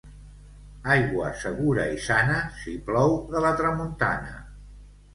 Aigua segura i sana, si plou de la tramuntana.